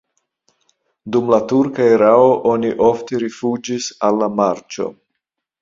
Dum la turka erao oni ofte rifuĝis al la marĉo.